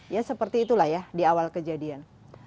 ya seperti itulah ya di awal kejadian